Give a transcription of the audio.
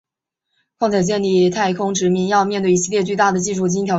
况且建立太空殖民要面对一系列巨大的技术和经济挑战。